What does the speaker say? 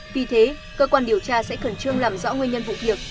vì thế cơ quan điều tra sẽ khẩn trương làm rõ nguyên nhân vụ việc